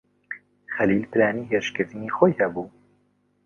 خەلیل پلانی هێرشکردنی خۆی هەبوو.